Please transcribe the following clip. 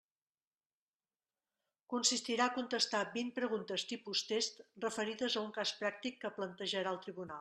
Consistirà a contestar vint preguntes tipus test, referides a un cas pràctic que plantejarà el Tribunal.